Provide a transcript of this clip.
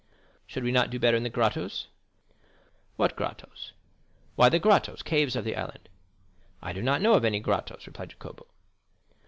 "Should we not do better in the grottos?" "What grottos?" "Why, the grottos—caves of the island." "I do not know of any grottos," replied Jacopo.